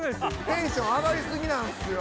テンション上がりすぎなんですよ